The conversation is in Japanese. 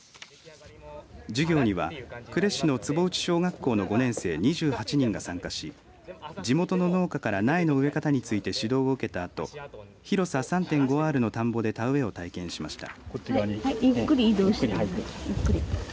授業には呉市の坪内小学校の５年生２８人が参加し地元の農家から苗の植え方について指導を受けたあと広さ３．５アールの田んぼで田植えを体験しました。